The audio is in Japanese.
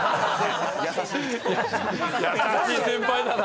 優しい先輩だな。